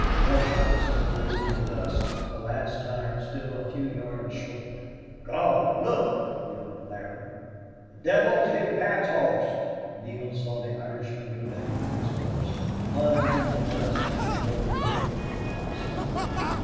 More shots kept raising the dust, the last time still a few yards short. "Gawd! Look!" yelled Larry. "The devils hit Pat's hoss!" Neale saw the Irishman go down with his horse, plunge in the dust, and then roll over and lie still.